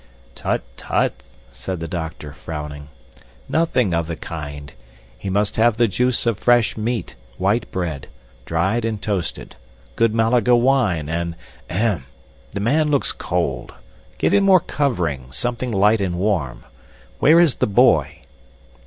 "Tut, tut!" said the doctor, frowning. "Nothing of the kind. He must have the juice of fresh meat, white bread, dried and toasted, good Malaga wine, and ahem! The man looks cold. Give him more covering, something light and warm. Where is the boy?"